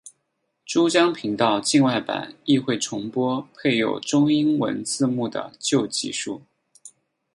珠江频道境外版亦会重播配有中英文字幕的旧集数。